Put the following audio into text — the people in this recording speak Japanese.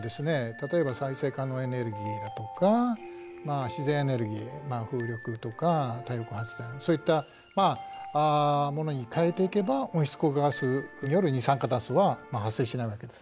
例えば再生可能エネルギーだとか自然エネルギー風力とか太陽光発電そういったものに変えていけば温室効果ガスになる二酸化炭素は発生しないわけですね。